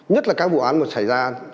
nhất là các vụ án mà xảy ra